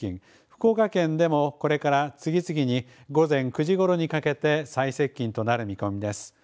福岡県でもこれから次々に午前９時頃にかけて最接近となる見込みです。